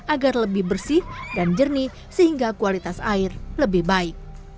agar lebih bersih dan jernih sehingga kualitas air lebih baik